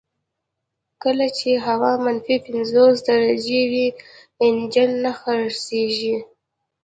کله چې هوا منفي پنځوس درجې وي انجن نه څرخیږي